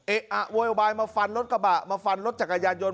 อะโวยวายมาฟันรถกระบะมาฟันรถจักรยานยนต